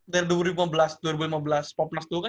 dari dua ribu lima belas dua ribu lima belas popnas itu kan